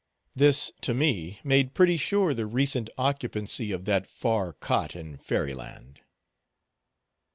This, to me, made pretty sure the recent occupancy of that far cot in fairy land.